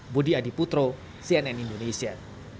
budi adiputro cnn indonesia